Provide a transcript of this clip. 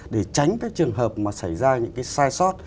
để tránh cái trường hợp mà xảy ra những cái sai sót